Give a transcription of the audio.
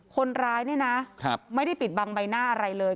คนร้ายเนี่ยนะไม่ได้ปิดบังใบหน้าอะไรเลย